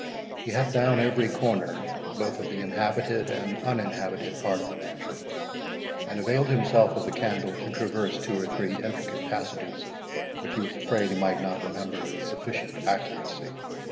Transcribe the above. He had known every corner, both of the inhabited and uninhabited part of the mansion, and availed himself of the candle to traverse two or three intricate passages, which he was afraid he might not remember with sufficient accuracy.